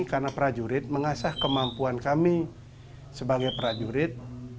karena prajurit mengasah kemampuan kami sebagai prajurit